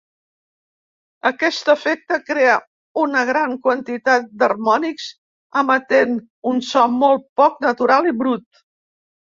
Aquest efecte crea una gran quantitat d'harmònics emetent un so molt poc natural i brut.